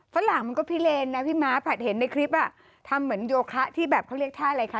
ฝรั่งมันก็พิเลนนะพี่ม้าผัดเห็นในคลิปอ่ะทำเหมือนโยคะที่แบบเขาเรียกท่าอะไรคะ